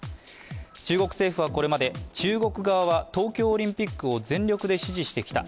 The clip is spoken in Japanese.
中国政府はこれまで、中国側は東京オリンピックを全力で支持してきた。